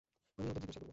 আমি ওদের জিজ্ঞেস করব।